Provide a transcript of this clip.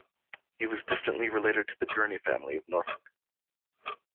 He was distantly related to the Gurney family of Norfolk.